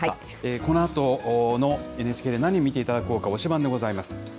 このあと、ＮＨＫで何を見ていただこうか、推しバンでございます。